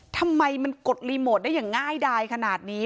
ทำไมมันกดรีโมทได้อย่างง่ายดายขนาดนี้